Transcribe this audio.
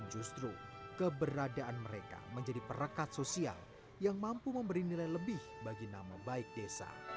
justru keberadaan mereka menjadi perekat sosial yang mampu memberi nilai lebih bagi nama baik desa